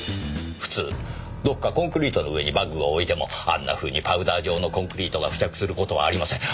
普通どこかコンクリートの上にバッグを置いてもあんなふうにパウダー状のコンクリートが付着する事はありません。